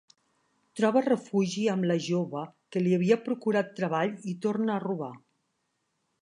Troba refugi amb la jove que li havia procurat treball i torna a robar.